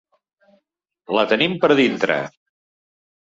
La tenim per dintre.